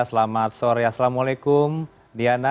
selamat sore assalamualaikum diana